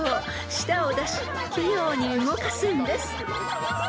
舌を出し器用に動かすんです］